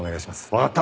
わかった。